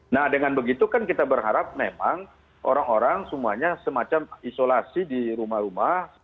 nah dengan begitu kan kita berharap memang orang orang semuanya semacam isolasi di rumah rumah